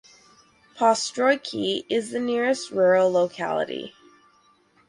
Postroyki is the nearest rural locality.